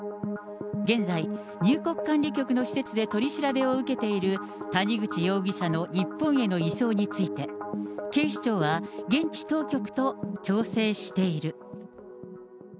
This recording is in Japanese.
現在、入国管理局の施設で取り調べを受けている谷口容疑者の日本への移送について、警視庁は、現地当局と調整している。